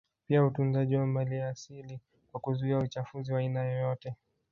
Pia utunzaji wa maliasili kwa kuzuia uchafuzi wa aina yoyote